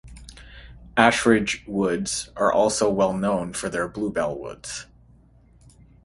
Ashridge Woods are also well known for their Bluebell woods.